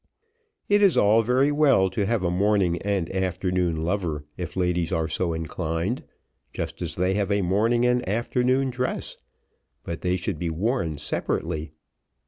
It is all very well to have a morning and afternoon lover if ladies are so inclined, just as they have a morning and afternoon dress, but they should be worn separately.